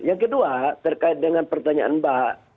yang kedua terkait dengan pertanyaan mbak